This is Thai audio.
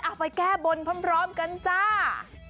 ไปแก้บนพร้อมกันจ้า